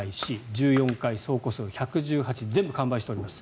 １４階、総戸数１１８全部完売しております。